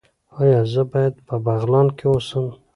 ایا زه باید په بغلان کې اوسم؟